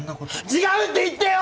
違うって言ってよ！